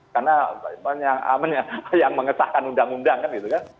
karena yang mengesahkan undang undang kan gitu kan